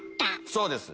そうです。